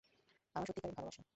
আমার সত্যিকারের ভালোবাসা।